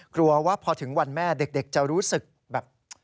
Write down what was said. กลัวว่าพอถึงวันแม่เด็กจะรู้สึกแบบ